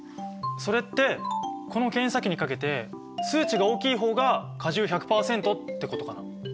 それってこの検査器にかけて数値が大きい方が果汁１００％ってことかな？